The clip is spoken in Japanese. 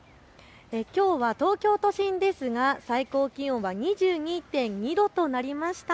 きょうは東京都心ですが最高気温は２２．２度となりました。